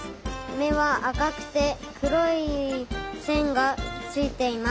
めはあかくてくろいせんがついています。